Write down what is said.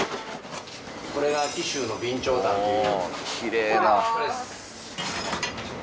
これが紀州の備長炭という。